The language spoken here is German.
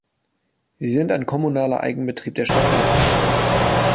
Sie sind ein kommunaler Eigenbetrieb der Stadt Mannheim.